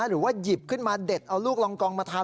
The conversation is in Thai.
หรือว่าหยิบขึ้นมาเด็ดเอาลูกลองกองมาทำ